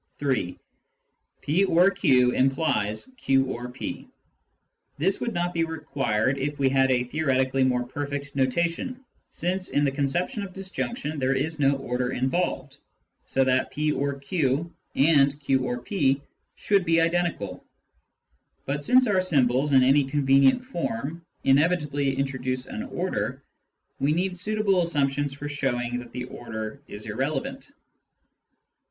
(3) " p 01 q " implies " q or p." This would not be required if we had a theoretically more perfect notation, since in the conception of disjunction there is no order involved, so that " p ot q " and " q or p " should be identical. But sinpe our symbols, in any convenient form, inevitably introduce an order, we need suitable assumptions for showing that the order is irrelevant.